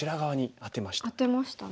アテましたね。